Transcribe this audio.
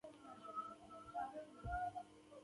د اسطوخودوس چای د بې خوبۍ لپاره وڅښئ